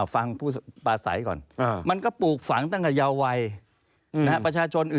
ฟังผู้ปลาใสก่อนมันก็ปลูกฝังตั้งแต่เยาวัยประชาชน